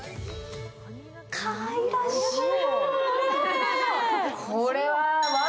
かわいらしいね。